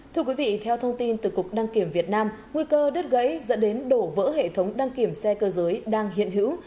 thưa quý vị theo thông tin từ cục đăng kiểm việt nam nguy cơ đứt gãy dẫn đến đổ vỡ hệ thống đăng kiểm xe cơ giới đang hiện hữu